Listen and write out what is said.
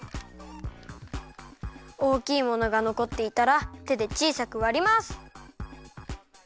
おおきいものがのこっていたらてでちいさくわります。